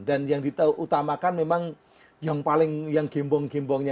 dan yang ditutamakan memang yang paling yang gembong gembongnya